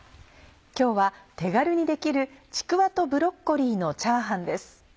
今日は手軽にできる「ちくわとブロッコリーのチャーハン」です。